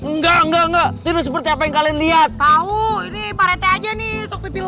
nggak nggak nggak seperti apa yang kalian lihat tahu ini perempuan saya pilih pilih